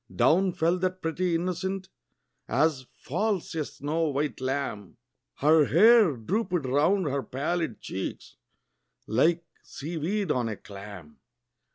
Down fell that pretty innocent, as falls a snow white lamb, Her hair drooped round her pallid cheeks, like sea weed on a clam.